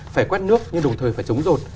phải quét nước nhưng đồng thời phải chống rột